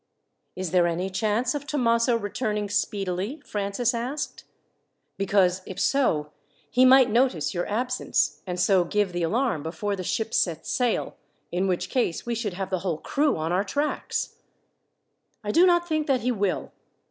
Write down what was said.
"Is there any chance of Thomaso returning speedily?" Francis asked. "Because, if so, he might notice your absence, and so give the alarm before the ship sets sail, in which case we should have the whole crew on our tracks." "I do not think that he will.